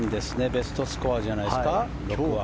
ベストスコアじゃないですか６は。